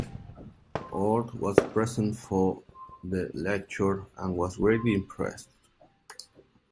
Oort was present for the lecture and was greatly impressed.